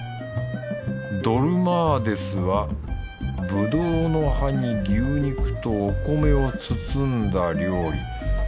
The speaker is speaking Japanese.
ドルマーデスはぶどうの葉に牛肉とお米を包んだ料理。